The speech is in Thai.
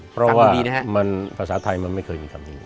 เพราะว่าภาษาไทยมันไม่เคยมีคำนี้